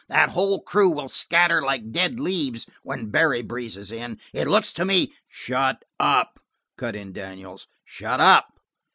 That whole crew will scatter like dead leaves when Barry breezes in. It looks to me " "Shut up!" cut in Daniels. "Shut up!"